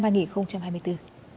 tại lễ báo công và tuyên thệ